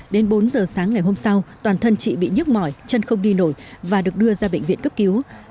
đến bốn giờ sáng ngày hôm sau toàn thân chị bị nhức mỏi chân không đi nổi và được đưa ra bệnh viện cấp cứu